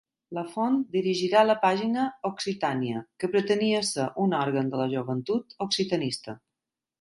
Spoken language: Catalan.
Lafont dirigirà la pàgina Occitània, que pretenia ser un òrgan de la joventut occitanista.